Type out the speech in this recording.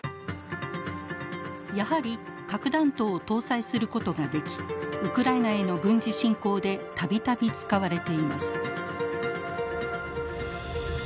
やはり核弾頭を搭載することができウクライナへの軍事侵攻で度々使われています。